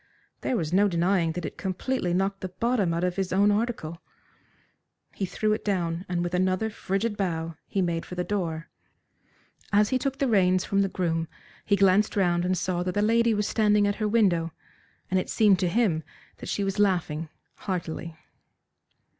There was no denying that it completely knocked the bottom out of his own article. He threw it down, and with another frigid bow he made for the door. As he took the reins from the groom he glanced round and saw that the lady was standing at her window, and it seemed to him that she was laughing heartily.